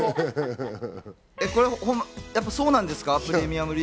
やっぱりそうなんですか？